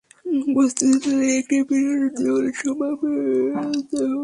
বস্তুত তাদের একটি বিরাট দল সমবেত হল।